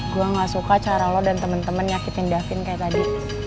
gue gak suka cara lo dan teman teman nyakitin davin kayak tadi